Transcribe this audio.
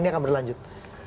ini akan berlanjut